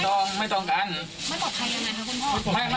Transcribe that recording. เราไม่ตรงการให้